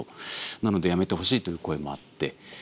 なのでやめてほしいという声もあって。